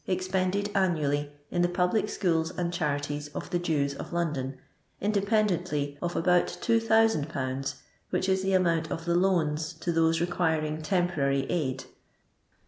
expended annually in the public schools and charities of the Jews of London, independently of about 2000/., which is the amount of the loans to those requiring temporary aid.